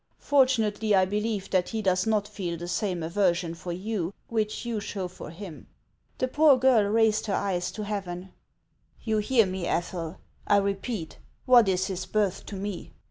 Fortunately, I believe that he does not feel the same aver sion for you which you show for him." The poor girl raised her eyes to heaven. " You hear me, Ethel ! I repeat, what is his birth to me